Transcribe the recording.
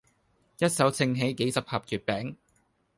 一手掅起幾十盒月餅